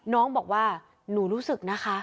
น้องบอกว่าหนูรู้สึกนะคะ